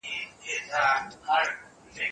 لیکل د نویو کلمو په زده کړه کي ګټور دي.